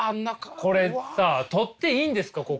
これさ撮っていいんですかここ。